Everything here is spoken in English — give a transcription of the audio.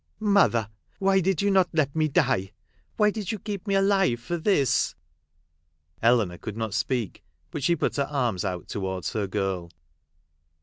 " Mother, why did not you let me die ? Why did you keep me alive for this 1 " Eleanor could not speak, but she put her arma out towards her girl.